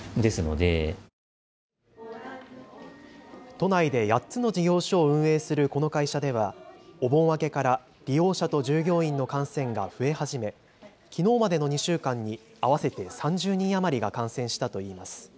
都内で８つの事業所を運営するこの会社ではお盆明けから利用者と従業員の感染が増え始めきのうまでの２週間に合わせて３０人余りが感染したといいます。